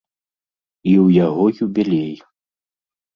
І ў яго юбілей.